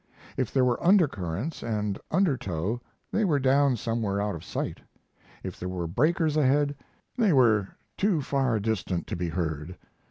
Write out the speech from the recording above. If there were undercurrents and undertow they were down somewhere out of sight. If there were breakers ahead, they were too far distant to be heard.